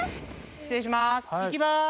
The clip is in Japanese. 失礼します。